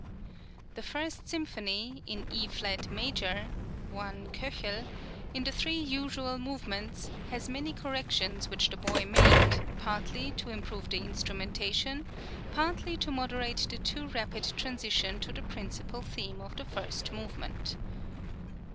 The first symphony, in E flat major (1 K.), in the three usual movements, has many corrections which the boy made, partly to improve the instrumentation, partly to moderate the too rapid transition to the principal theme of the first movement.